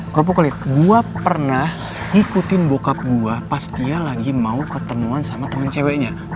kerupuklit gue pernah ngikutin bokap gue pas dia lagi mau ketemuan sama temen ceweknya